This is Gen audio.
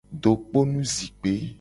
Dokponu zikpe.